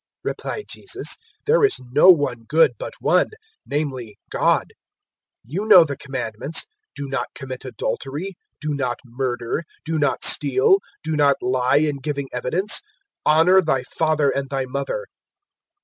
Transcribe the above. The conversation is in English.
replied Jesus; "there is no one good but One, namely God. 018:020 You know the Commandments: `Do not commit adultery;' `Do not murder;' `Do not steal;' `Do not lie in giving evidence;' `Honour thy father and thy mother.'"